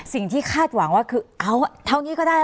สิ่งที่คาดหวังคือเอาเท่านี้ก็ได้ล่ะ